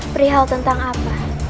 beri hal tentang apa